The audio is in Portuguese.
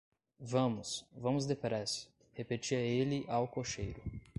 Vamos, vamos depressa, repetia ele ao cocheiro.